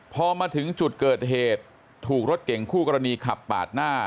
พอมาถึงจุดเกิดเหตุถูกรถเก่งคู่กรณีขับปากหน้า